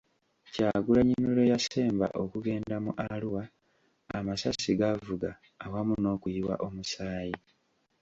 Kyagulanyi lwe yasemba okugenda mu Arua, amasasi gaavuga awamu n'okuyiwa omusaayi.